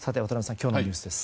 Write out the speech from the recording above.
今日のニュースです。